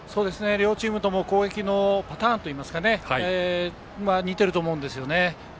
両チームとも攻撃のパターンが似ていると思うんですね。